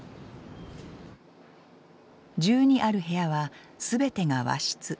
１２ある部屋は全てが和室。